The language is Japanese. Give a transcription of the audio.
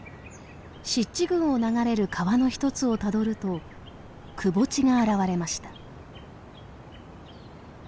湿地群を流れる川の一つをたどるとくぼ地が現れました。